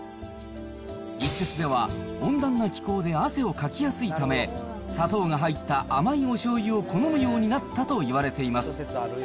一説では温暖な気候で汗をかきやすいため、砂糖が入った甘いおしょうゆを好むようになったといわれています。